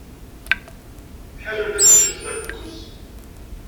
Tḥemmlemt ad teččemt berkukes?